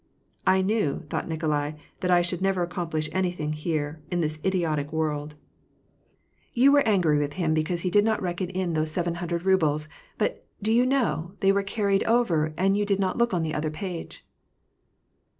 " I knew," thought Nikolai, " that I should never aooom plish anything here, in this idiotic world." WAR AND PEACB. 249 "You were angpry with him because he did not reckon in those seven hundred rubles. But, do you know, they were carried over, and you did not look on the other pa^e."